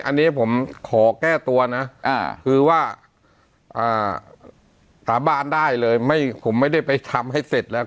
อันนี้ผมขอแก้ตัวนะคือว่าสาบานได้เลยผมไม่ได้ไปทำให้เสร็จแล้ว